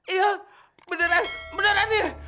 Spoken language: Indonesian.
iya beneran beneran nih